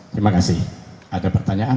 terima kasih ada pertanyaan